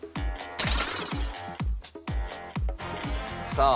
「さあ」